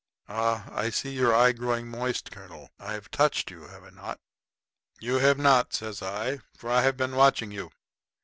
Ah, I see your eye growing moist, Colonel I have touched you, have I not?" "You have not," says I, "for I've been watching you.